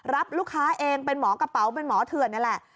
รับลูกค้าเองเป็นหมอกระเป๋าเป็นหมอเถื่อนนี่แหละ